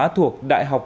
thuộc đại học quốc tế